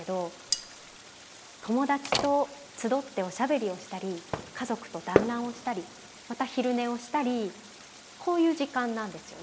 友達と集っておしゃべりをしたり家族と団欒をしたりまた昼寝をしたりこういう時間なんですよね。